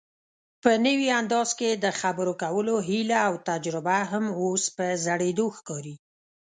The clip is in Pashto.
په نوي انداز کې دخبرو کولو هيله اوتجربه هم اوس په زړېدو ښکاري